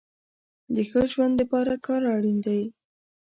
د ښه ژوند د پاره کار اړين دی